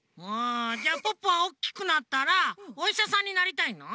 じゃあポッポはおっきくなったらおいしゃさんになりたいの？